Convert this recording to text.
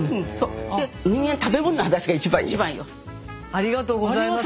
ありがとうございます。